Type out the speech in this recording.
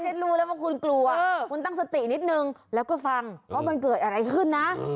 รู้แล้วว่าคุณกลัวคุณตั้งสตินิดนึงแล้วก็ฟังว่ามันเกิดอะไรขึ้นนะ